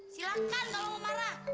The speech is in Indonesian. silahkan kalo mau marah